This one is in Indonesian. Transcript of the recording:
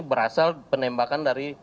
berasal penembakan dari